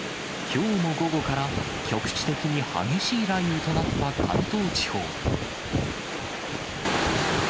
きょうも午後から局地的に激しい雷雨となった関東地方。